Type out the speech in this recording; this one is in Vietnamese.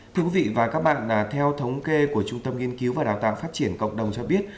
thưa quý vị và các bạn theo thống kê của trung tâm nghiên cứu và đào tạo phát triển cộng đồng cho biết